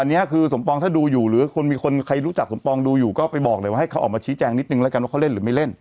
อันนี้คือสมปองถ้าดูอยู่หรือคนมีคนใครรู้จักสมปองดูอยู่ก็ไปบอกเลยว่าให้เขาออกมาชี้แจงนิดนึงแล้วกันว่าเขาเล่นหรือไม่เล่น